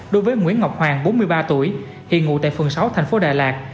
đối với nguyễn ngọc hoàng bốn mươi ba tuổi hiện ngụ tại phường sáu tp hcm